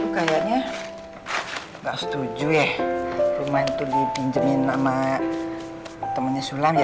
kayaknya gak setuju ya rumah itu dibinjemin nama temennya sulam ya